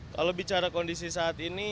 kalau bicara kondisi saat ini